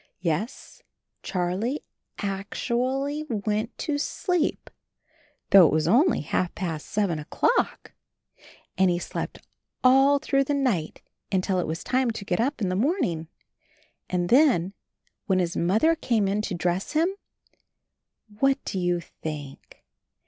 Yes, Charlie ac tu ally went to sleep though it was only half past seven o'clock ! And he slept all through the night until it was time to get up in the morning. And then — when his Mother came in to dress him, what do you think?